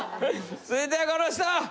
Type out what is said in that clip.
続いてはこの人！